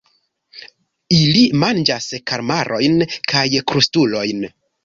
Ili manĝas kalmarojn kaj krustulojn.